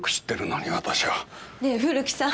ねえ古木さん。